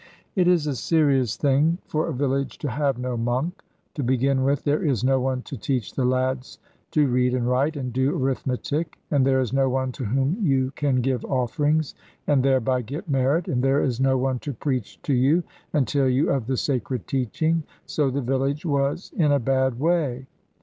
It is a serious thing for a village to have no monk. To begin with, there is no one to teach the lads to read and write and do arithmetic; and there is no one to whom you can give offerings and thereby get merit, and there is no one to preach to you and tell you of the sacred teaching. So the village was in a bad way.